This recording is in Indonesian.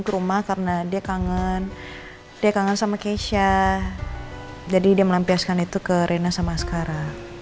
ke rumah karena dia kangen dia kangen sama keisha jadi dia melampiaskan itu ke rena sama sekarang